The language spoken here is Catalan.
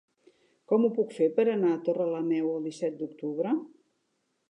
Com ho puc fer per anar a Torrelameu el disset d'octubre?